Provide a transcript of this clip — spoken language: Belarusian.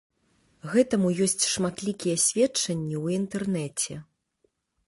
Гэтаму ёсць шматлікія сведчанні ў інтэрнэце.